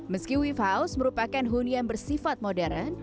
meski weave house merupakan huni yang bersifat modern